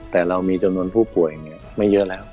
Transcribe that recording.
แต่เรามีจำนวนผู้ป่วยไม่เยอะแล้ว